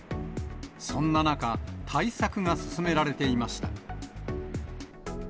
そんな中、対策が進められていました。